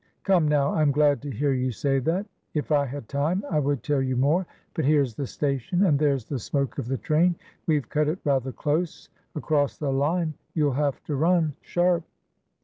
"Come, now, I'm glad to hear you say that. If I had time, I would tell you more; but here's the station, and there's the smoke of the train. We've cut it rather close. Across the line; you'll have to runsharp!"